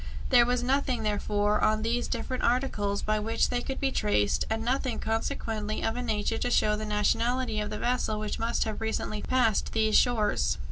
There was nothing, therefore, on these different articles by which they could be traced and nothing consequently of a nature to show the nationality of the vessel which must have recently passed these shores.